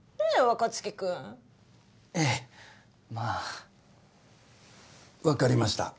若槻君ええまあ分かりました